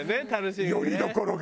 よりどころが。